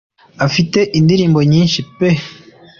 Afite indirimbo nyinshi pe